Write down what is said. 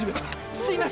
すいません。